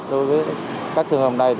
đối với các trường hợp này